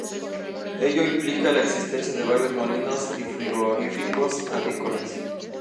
Ello implica la existencia de varios molinos y frigoríficos avícolas.